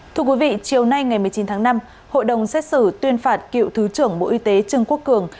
thưa quý vị chiều nay ngày một mươi chín tháng năm hội đồng xét xử tuyên phạt cựu thứ trưởng bộ y tế trương quốc cường